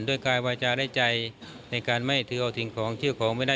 ด้วยกายวาจาในใจในการไม่ถือเอาสิ่งของชื่อของไม่ได้